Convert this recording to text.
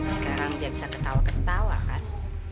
sekarang dia bisa ketawa ketawa kan